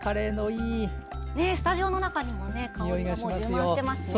スタジオの中にも香りが充満していますね。